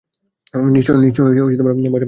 নিশ্চয় মজা করছো।